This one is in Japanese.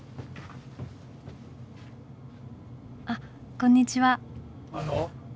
あこんにちは。